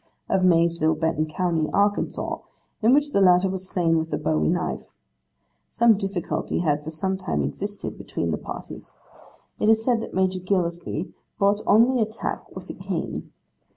of Maysville, Benton, County Ark, in which the latter was slain with a bowie knife. Some difficulty had for some time existed between the parties. It is said that Major Gillespie brought on the attack with a cane.